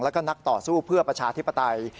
แล้วก็นักต่อสู้เพื่อประชาธิปไตย